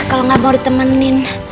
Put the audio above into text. kalau gak mau ditemenin